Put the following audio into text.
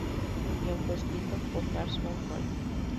El guion fue escrito por Lars Von Trier.